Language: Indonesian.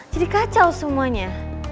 jadi kacau semuanya